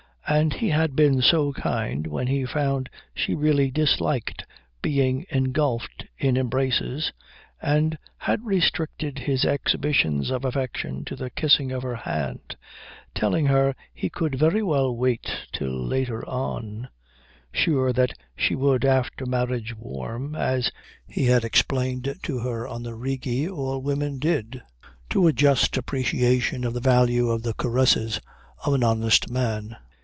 And he had been so kind when he found she really disliked being engulfed in embraces, and had restricted his exhibitions of affection to the kissing of her hand, telling her he could very well wait till later on, sure that she would after marriage warm, as he had explained to her on the Rigi all women did, to a just appreciation of the value of the caresses of an honest man.